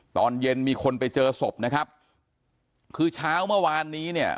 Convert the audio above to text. ตอนเย็นมีคนไปเจอศพนะครับคือเช้าเมื่อวานนี้เนี่ย